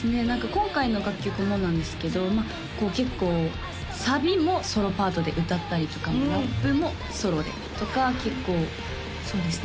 今回の楽曲もなんですけど結構サビもソロパートで歌ったりとかラップもソロでとか結構そうですね